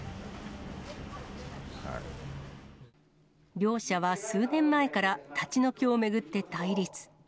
両者は数年前から立ち退きを巡って対立。